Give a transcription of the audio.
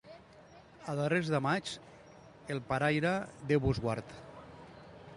A darrers de maig, el paraire, «Déu vos guard».